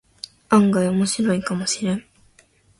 案外オモシロイかもしれん